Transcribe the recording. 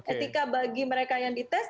etika bagi mereka yang dites